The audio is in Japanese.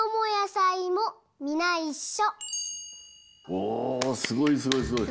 おおすごいすごいすごい。